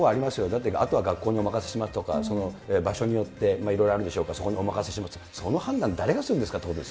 だってあとは学校にお任せしますとか、場所によっていろいろあるでしょうから、そこにお任せしますと、その判断、誰がするんです